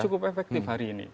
cukup efektif hari ini